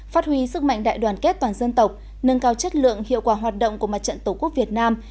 phát huy sức mạnh đại đoàn kết toàn dân tộc nâng cao chất lượng hiệu quả hoạt động của mặt trận tổ quốc việt nam